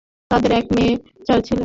তাদের এক মেয়ে, চার ছেলে।